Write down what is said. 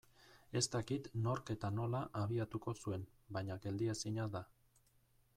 Ez dakit nork eta nola abiatuko zuen baina geldiezina da.